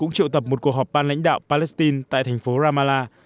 trong khi tiêu tập một cuộc họp ban lãnh đạo palestine tại thành phố ramallah